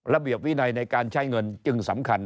ระเบียบวินัยในการใช้เงินจึงสำคัญ